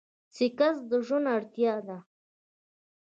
سيکس د ژوند اړتيا ده.